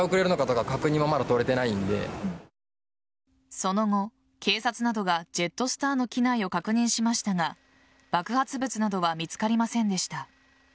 その後、警察などがジェットスターの機内を確認しましたが爆発物などは見つかりませんでした。